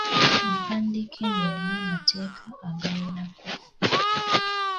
Empandiika eno erimu amateeka agawerako